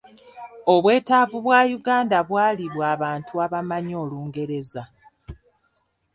Obwetaavu bwa Uganda bwali bwa bantu abamanyi Olungereza.